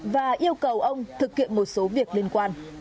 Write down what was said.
và yêu cầu ông thực hiện một số việc liên quan